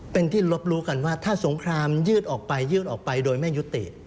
เป็นที่ลบรู้กันว่าถ้าสงครามยืดออกไปยื่นออกไปโดยไม่ยุติ